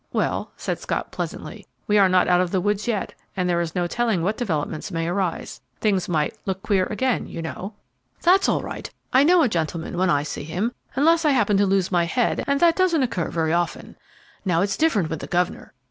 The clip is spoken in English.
"Well," said Scott, pleasantly, "we are not out of the woods yet, and there is no telling what developments may arise. Things might 'look queer' again, you know." "That's all right. I know a gentleman when I see him, unless I happen to lose my head, and that doesn't occur very often. Now it's different with the governor.